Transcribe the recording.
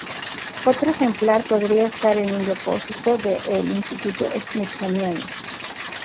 Otro ejemplar podría estar en un depósito de el Instituto Smithsoniano.